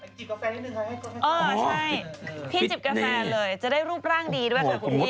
พี่จิบกับแฟนเลยจะได้รูปร่างดีด้วยคุณพี่